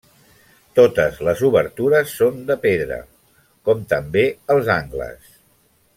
Totes les obertures són de pedra, com també els angles.